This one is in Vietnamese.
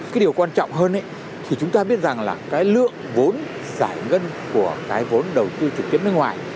cái điều quan trọng hơn thì chúng ta biết rằng là cái lượng vốn giải ngân của cái vốn đầu tư trực tiếp nước ngoài